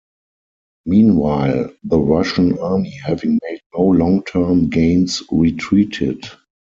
Meanwhile, the Russian army having made no long term gains retreated.